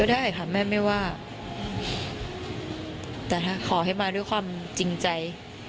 ได้ค่ะแม่ไม่ว่าแต่ถ้าขอให้มาด้วยความจริงใจ